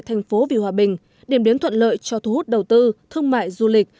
thành phố vì hòa bình điểm đến thuận lợi cho thu hút đầu tư thương mại du lịch